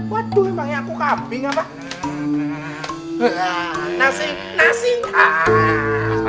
waduh emangnya aku kambing apa